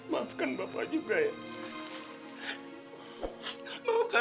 maafkan bapak juga ya